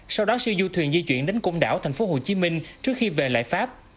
sau đó siêu du thuyền di chuyển đến công đảo tp hcm trước khi về lại pháp